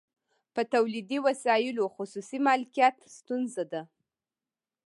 په تولیدي وسایلو خصوصي مالکیت ستونزه ده